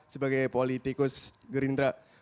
sebagai politikus gerindra